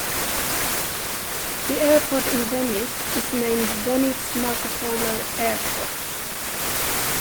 The airport in Venice is named Venice Marco Polo Airport.